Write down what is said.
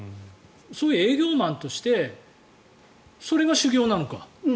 そういう営業マンとしてそれが修行なのか。